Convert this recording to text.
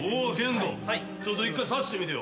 ちょっと１回さしてみてよ。